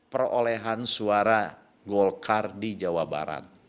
perolehan suara golkar di jawa barat